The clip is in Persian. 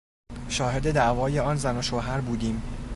شاهد دعوای آن زن و شوهر بودیم.